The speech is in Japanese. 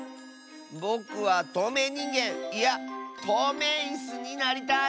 ぼくはとうめいにんげんいやとうめいイスになりたい！